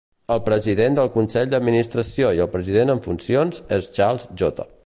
El president del consell d'administració i el president en funcions és Charles J.